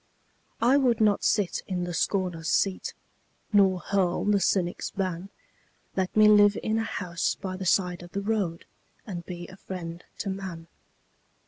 I would not sit in the scorner's seat Nor hurl the cynic's ban Let me live in a house by the side of the road And be a friend to man.